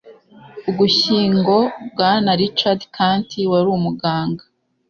Ugushyingo Bwana Richard Kandt wari umuganga